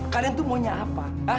kalian itu maunya apa